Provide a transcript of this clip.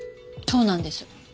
そうなんです。